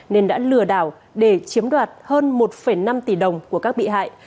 nên đã lừa đảo để chiếm đoạt hơn một năm tỷ đồng của các bị hại